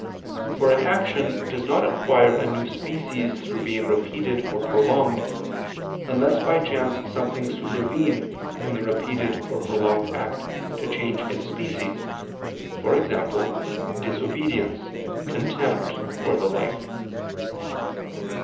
For an action does not acquire a new species through being repeated or prolonged, unless by chance something supervene in the repeated or prolonged act to change its species, e.g. disobedience, contempt, or the like.